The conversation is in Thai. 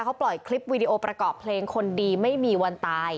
เขาปล่อยคลิปวีดีโอประกอบเพลงคนดีไม่มีวันตาย